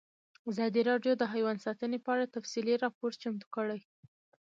ازادي راډیو د حیوان ساتنه په اړه تفصیلي راپور چمتو کړی.